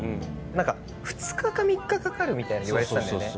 ２日か３日かかるみたいに言われてたんだよね。